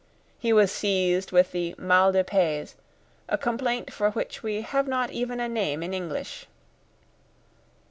He was seized with the mal de pays, a complaint for which we have not even a name in English.